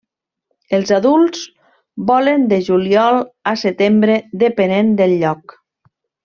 Els adults volen de juliol a setembre, depenent del lloc.